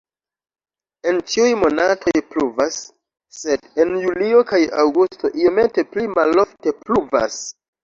En ĉiuj monatoj pluvas, sed en julio kaj aŭgusto iomete pli malofte pluvas.